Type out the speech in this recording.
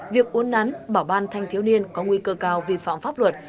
việc uốn nắn bảo ban thanh thiếu niên có nguy cơ cao vi phạm pháp luật